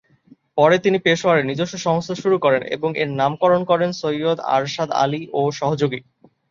পরে তিনি পেশোয়ারে নিজস্ব সংস্থা শুরু করেন এবং এর নামকরণ করেন "সৈয়দ আরশাদ আলী ও সহযোগী"।